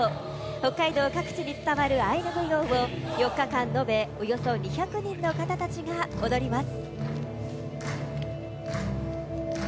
北海道各地に伝わるアイヌ舞踊を、４日間延べおよそ２００人の方たちが踊ります。